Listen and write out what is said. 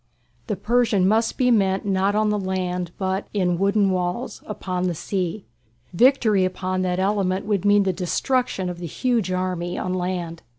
The Persian must be met not on the land, but in "wooden walls" upon the sea. Victory upon that element would mean the destruction of the huge army on land.